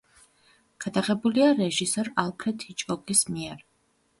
გადაღებულია რეჟისორ ალფრედ ჰიჩკოკის მიერ.